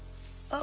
あ。